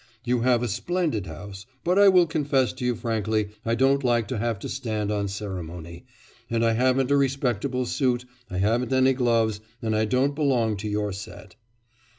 You have a splendid house; but I will confess to you frankly I don't like to have to stand on ceremony. And I haven't a respectable suit, I haven't any gloves, and I don't belong to your set.